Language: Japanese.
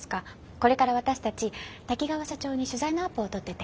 これから私たち滝川社長に取材のアポを取ってて。